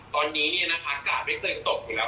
ตอนนี้นะคะการไม่ตกคือตกอีกแล้ว